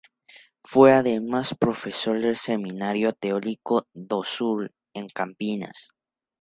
Fue además profesor del Seminario Teológico do Sul, en Campinas.